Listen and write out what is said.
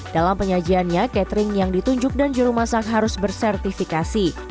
dalam penyajiannya catering yang ditunjuk dan juru masak harus bersertifikasi